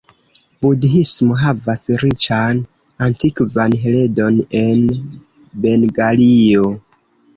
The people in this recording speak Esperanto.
Budhismo havas riĉan antikvan heredon en Bengalio.